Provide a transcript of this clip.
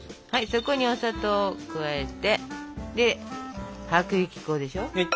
そこにお砂糖を加えてで薄力粉でしょ。